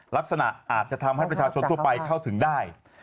ลักษณะอาจจะทำให้ประชาชนทั่วไปเข้าถึงได้